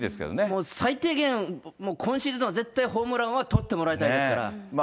もう最低限、今シーズンは絶対にホームラン王は取ってもらいたいですから。